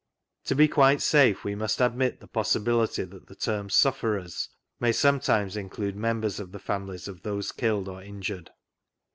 (To be quite safe, we must admit the possibility that the term " sufferers " may sometimes include members of the families of those hilled or injured.)